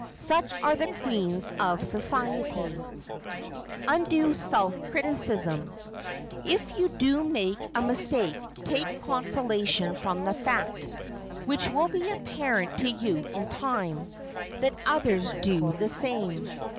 Such are the queens of society. [Sidenote: UNDUE SELF CRITICISM] If you do make a mistake take consolation from the fact—which will be apparent to you in time—that others do the same.